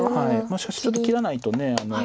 しかしちょっと切らないと。